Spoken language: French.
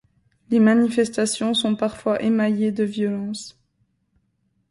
Les manifestations sont parfois émaillées de violence.